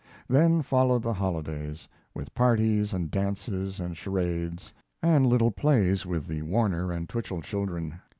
Then followed the holidays, with parties and dances and charades, and little plays, with the Warner and Twichell children.